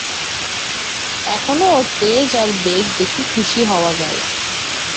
এখন ওর তেজ আর বেগ দেখে খুশী হওয়া গেল।